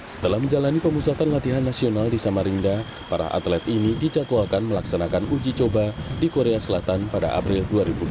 setelah menjalani pemusatan latihan nasional di samarinda para atlet ini dicatwalkan melaksanakan uji coba di korea selatan pada april dua ribu dua puluh